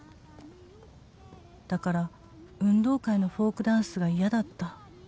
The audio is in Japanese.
「だから運動会のフォークダンスが嫌だった」